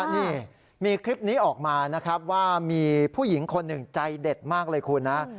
นี่มีคลิปนี้ออกมานะครับว่ามีผู้หญิงคนหนึ่งใจเด็ดมากเลยคุณนะ